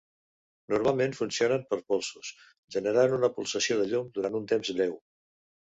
Normalment funcionen per polsos, generant una pulsació de llum durant un temps breu.